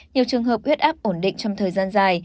nhiều trường hợp huyết áp ổn định trong thời gian dài